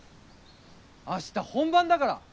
あした本番だから。